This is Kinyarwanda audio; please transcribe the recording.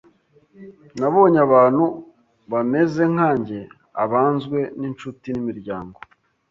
Nabonye abantu bameze nkanjye, abanzwe n’incuti n’imiryango,